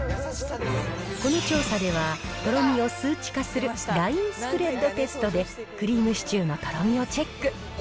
この調査では、とろみを数値化するラインスプレッドテストでクリームシチューのとろみをチェック。